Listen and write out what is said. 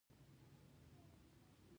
ایا د خوړو پر مهال اوبه څښئ؟